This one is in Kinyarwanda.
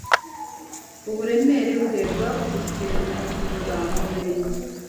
Uburemere bwe bwakubise umujura mu birenge